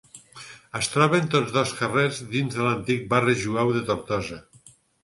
Es troben tots dos carrers dins de l'antic barri jueu de Tortosa.